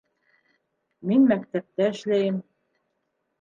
Мин мәктәптә эшләйем.